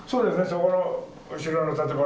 そこの後ろの建物